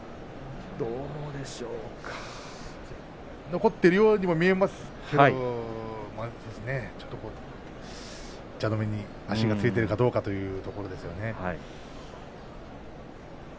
残っているようにも見えますけれど蛇の目に足がついているかどうかというところですよね。